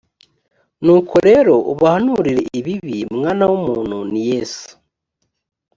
nuko rero ubahanurire ibibi mwana w umuntu ni yesu